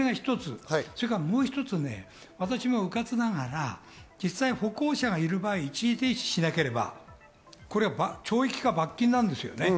もう一つ、私もうかつながら歩行者がいる場合、一時停止しなければ懲役か罰金なんです。